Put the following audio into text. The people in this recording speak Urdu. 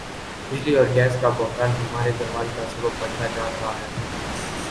بجلی اور گیس کا بحران ہمارے زوال کا سبب بنتا جا رہا ہے